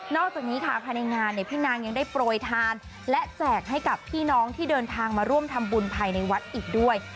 จากนี้ค่ะภายในงานเนี่ยพี่นางยังได้โปรยทานและแจกให้กับพี่น้องที่เดินทางมาร่วมทำบุญภายในวัดอีกด้วย